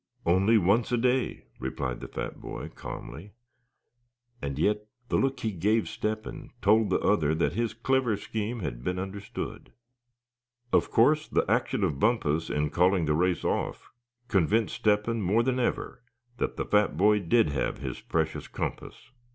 "Only once a day," replied the fat boy, calmly; and yet the look he gave Step hen told the other that his clever scheme had been understood. Of course the action of Bumpus in calling the race off convinced Step hen more than ever that the fat boy did have his precious compass.